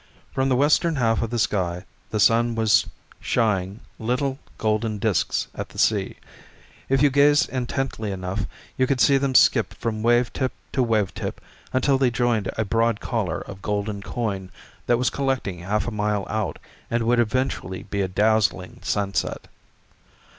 From the western half of the sky the sun was shying little golden disks at the sea if you gazed intently enough you could see them skip from wave tip to wave tip until they joined a broad collar of golden coin that was collecting half a mile out and would eventually be a dazzling sunset.